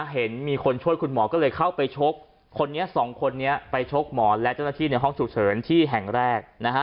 เห็นมีคนช่วยคุณหมอก็เลยเข้าไปชกคนนี้สองคนนี้ไปชกหมอและเจ้าหน้าที่ในห้องฉุกเฉินที่แห่งแรก